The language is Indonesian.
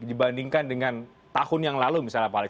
dibandingkan dengan tahun yang lalu misalnya pak alex